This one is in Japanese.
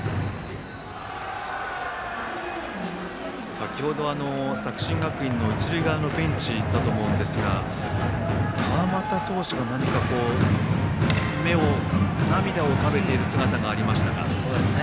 先ほど作新学院の一塁側のベンチだと思うんですが川又投手が何か目を涙を浮かべている姿がありましたが。